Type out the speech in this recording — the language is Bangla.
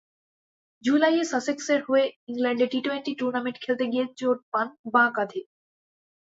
জুলাইয়ে সাসেক্সের হয়ে ইংল্যান্ডে টি-টোয়েন্টি টুর্নামেন্ট খেলতে গিয়ে চোট পান বাঁ কাঁধে।